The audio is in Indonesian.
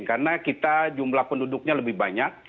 karena kita jumlah penduduknya lebih banyak